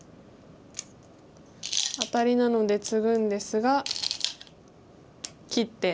アタリなのでツグんですが切って。